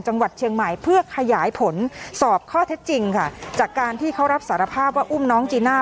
จังหวัดเชียงใหม่เพื่อขยายผลสอบข้อเท็จจริงค่ะจากการที่เขารับสารภาพว่าอุ้มน้องจีน่า